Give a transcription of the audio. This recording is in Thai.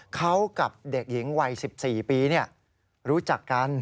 เขากับเด็กหญิงวัย๑๔ปีรู้จักกัน